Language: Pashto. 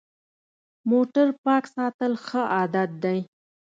موټر پاک ساتل ښه عادت دی.